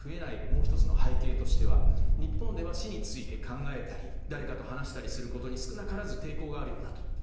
もう１つの背景としては日本では死について考えたり誰かと話したりすることに少なからず抵抗があると。